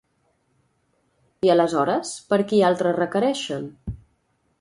I aleshores, per qui altre requereixen?